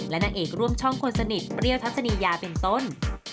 และนางเอกร่วมช่องคนสนิทเปรี้ยวทัศนียาเป็นต้น